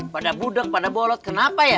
pada budeg pada bolot kenapa ya